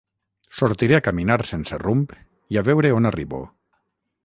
Sortiré a caminar sense rumb i a veure on arribo